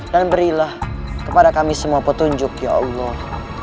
dan berilah kepada kami semua petunjuk ya allah